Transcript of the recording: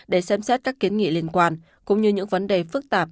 để xem xét các kiến nghị liên quan cũng như những vấn đề phức tạp